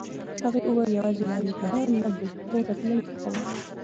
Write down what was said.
هغې وویل یوازې منظره نه، بلکه پورته تلل هم ښه وو.